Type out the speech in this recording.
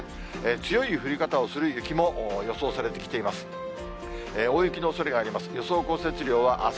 強い降り方をする雪も予想されてきています。